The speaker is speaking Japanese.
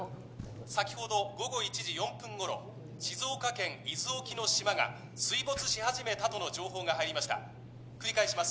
先ほど午後１時４分頃静岡県伊豆沖の島が水没し始めたとの情報が入りました繰り返します